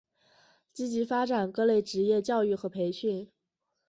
积极发展各类职业教育和培训。